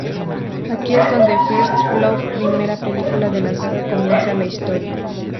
Aquí es donde "First Blood" —primera película de la saga— comienza la historia.